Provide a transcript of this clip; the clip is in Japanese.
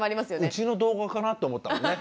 うちの動画かなと思ったもんね。